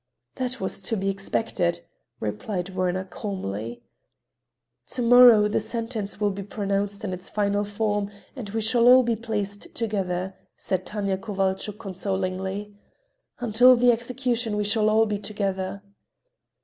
"That was to be expected," replied Werner calmly. "To morrow the sentence will be pronounced in its final form and we shall all be placed together," said Tanya Kovalchuk consolingly. "Until the execution we shall all be together."